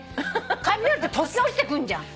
雷って突然落ちてくんじゃん。